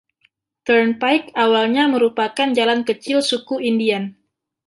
Turnpike awalnya merupakan jalan kecil suku Indian.